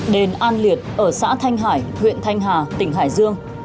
đền an liệt ở xã thanh hải huyện thanh hà tỉnh hải dương